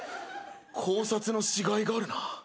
考察のしがいがあるな。